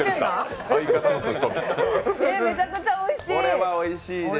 めちゃくちゃおいしい！